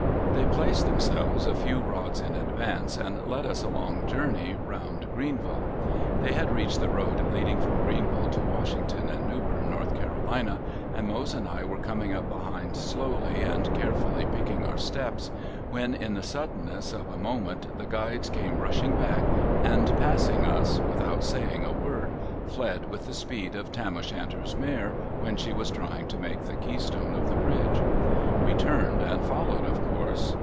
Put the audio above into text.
They placed themselves a few rods in advance and led us a long journey around Greenville. They had reached the road leading from Greenville to Washington and Newburn, N. C, and Mose and I were coming up behind slowly and carefully picking our steps when in the suddenness of a moment the guides came rushing back, and passing us, without saying a word, fled with the speed of Tam O'Shanter's mare when she was trying to make the keystone of the bridge. We turned and followed of course.